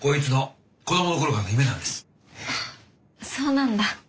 そうなんだ。